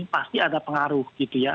pasti ada pengaruh gitu ya